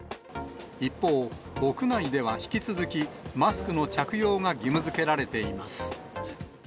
一方、屋内では引き続き、マスクの着用が義務づけられています。